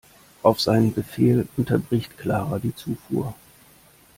Auf seinen Befehl unterbricht Clara die Zufuhr.